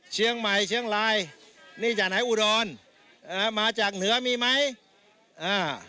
เชียงใหม่เชียงรายนี่จากไหนอุดรอ่ามาจากเหนือมีไหมอ่า